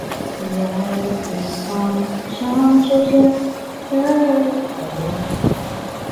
城铁的第一辆车厢因惯性和前面的火车头撞到一起并起火。